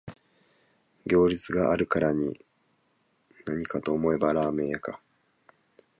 行列があるからなにかと思えばラーメン屋か